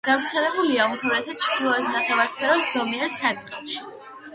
გავრცელებულია უმთავრესად ჩრდილოეთ ნახევარსფეროს ზომიერ სარტყელში.